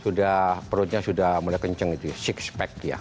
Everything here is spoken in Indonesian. sudah perutnya sudah mulai kenceng gitu ya six pack ya